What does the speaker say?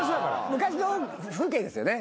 昔の風景ですよね。